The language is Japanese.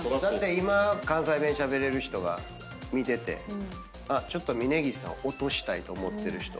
今関西弁しゃべれる人が見ててちょっと峯岸さんを落としたいと思ってる人。